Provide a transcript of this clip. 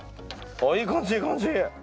あいい感じいい感じ。